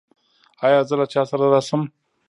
ایا زه له چا سره راشم؟